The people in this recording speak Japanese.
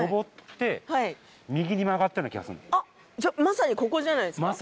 あっじゃまさにここじゃないですか？